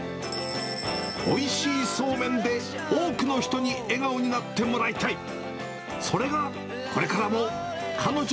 おいしいそうめんで多くの人に笑顔になってもらいたい。